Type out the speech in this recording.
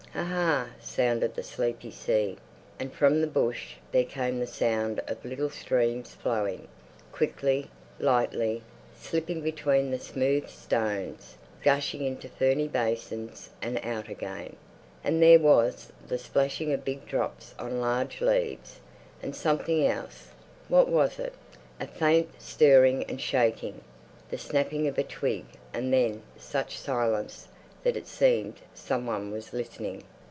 Ah Aah! sounded the sleepy sea. And from the bush there came the sound of little streams flowing, quickly, lightly, slipping between the smooth stones, gushing into ferny basins and out again; and there was the splashing of big drops on large leaves, and something else—what was it?—a faint stirring and shaking, the snapping of a twig and then such silence that it seemed some one was listening.